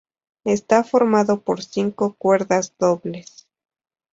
Está formado por cinco cuerdas dobles.